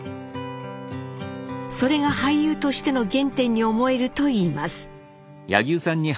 それが俳優としての原点に思えるといいます。